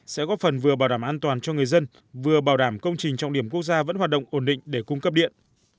sẽ góp phần vừa bảo đảm an toàn cho người dân vừa bảo đảm công trình trọng điểm quốc gia vẫn hoạt động ổn định để cung cấp điện